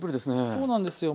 そうなんですよ